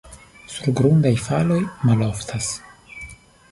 Surgrundaj faloj maloftas.